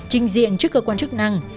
trình diện trước cơ quan chức năng